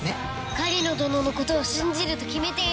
狩野どのの事を信じると決めている。